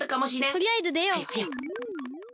とりあえずでよう！